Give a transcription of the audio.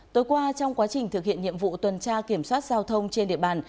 tối qua trong quá trình thực hiện nhiệm vụ tuần tra kiểm soát giao thông trên địa bàn